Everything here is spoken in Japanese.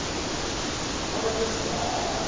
失敗ですか？